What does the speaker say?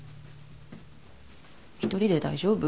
一人で大丈夫？